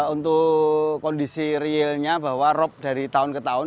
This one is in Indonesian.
untuk kondisi realnya bahwa rop dari tahun ke tahun